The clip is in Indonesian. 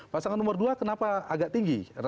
pasangan nomor dua kenapa agak tinggi rasionalisasinya ya